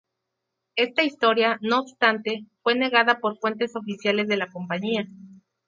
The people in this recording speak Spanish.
Esta historia, no obstante, fue negada por fuentes oficiales de la compañía.